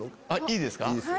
いいですか。